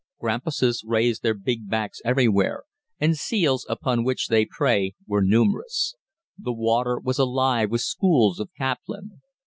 Grampuses raised their big backs everywhere, and seals, upon which they prey, were numerous. The water was alive with schools of caplin.